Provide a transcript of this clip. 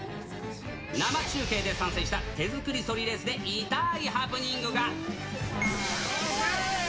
生中継で参戦した手作りそりレースで、痛ーいハプニングが。